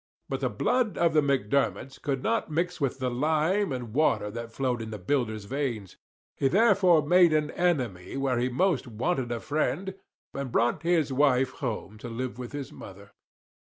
But the blood of the Macdermots could not mix with the lime and water that flowed in a builder's veins; he therefore made an enemy where he most wanted a friend, and brought his wife home to live with his mother.